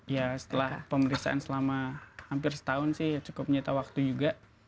ya setelah pemeriksaan selama hampir setahun sih cukup menyita waktu juga